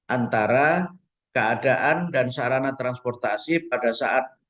antara keadaan dan sarana transportasi pada saat